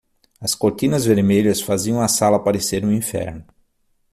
As cortinas vermelhas faziam a sala parecer um inferno.